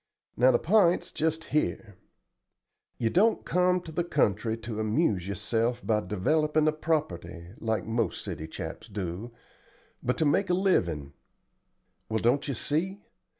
Now the p'int's just here. You don't come to the country to amuse yourself by developin' a property, like most city chaps do, but to make a livin'. Well, don't you see?